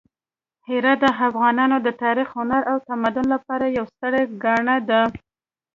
هرات د افغانانو د تاریخ، هنر او تمدن لپاره یوه ستره ګاڼه ده.